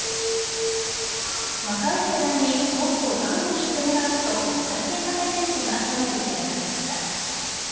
若い世代にもっとがんを知ってもらおうと体験型イベントが都内で開かれました。